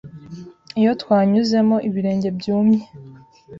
Iyo twanyuzemo ibirenge byumye